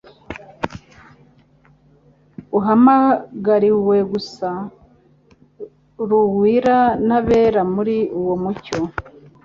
uhamagariwe gusa.ruira n'abera muri uwo mucyo;